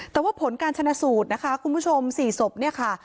แต่ว่าผลการชนะสูตรนะคะคุณผู้ชม๔ศพเนี่ยค่ะ